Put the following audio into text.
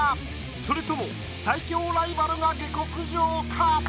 それとも最強ライバルが下克上か？